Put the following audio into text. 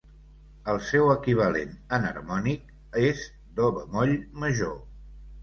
El seu equivalent enharmònic és do bemoll major.